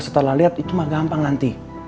setelah lihat itu mah gampang nanti